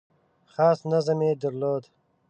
خاص نظم یې درلود .